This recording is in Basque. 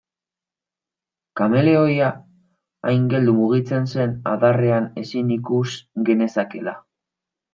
Kameleoia hain geldo mugitzen zen adarrean ezin ikus genezakeela.